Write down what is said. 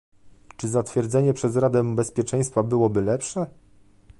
Czy zatwierdzenie przez Radę Bezpieczeństwa byłoby lepsze?